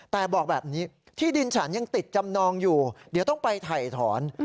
แต่บอกแบบนี้ที่ดินฉันยังติดจำนองอยู่เดี๋ยวต้องไปถ่ายถอน